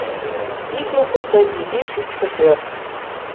Ик лукышто изи шӱкшӧ пӧрт.